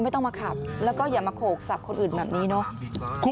ไม่ต้องมาขับแล้วก็อย่ามาโขกสับคนอื่นแบบนี้เนอะ